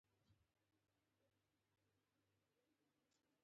دا په ټوله پانګه باندې د اضافي ارزښت وېش دی